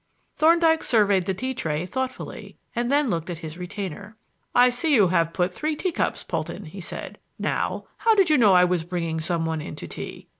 Thorndyke surveyed the tea tray thoughtfully and then looked at his retainer. "I see you have put three teacups, Polton," he said. "Now, how did you know I was bringing some one in to tea?"